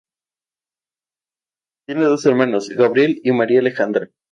Tiene dos hermanos, Gabriel y María Alejandra.